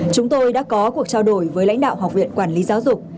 chúng tôi đã có cuộc trao đổi với lãnh đạo học viện quản lý giáo dục